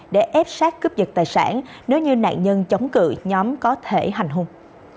để ép sát cướp giật tài sản nếu như nạn nhân chống cự nhóm có thể hành hung